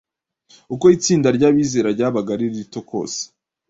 Uko itsinda ry’abizera ryabaga ari rito kose,